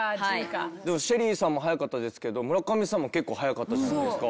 でもＳＨＥＬＬＹさんも早かったですけど村上さんも結構早かったじゃないですか。